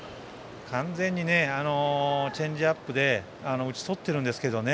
完全にチェンジアップで打ち取っているんですけどね